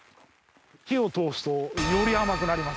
火を通すとより甘くなります。